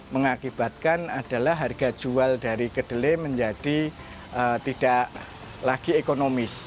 mengakibatkan adalah harga jual dari kedelai menjadi tidak lagi ekonomis